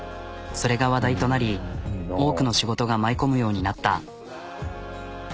それが話題となり多くの仕事が舞い込むようになった。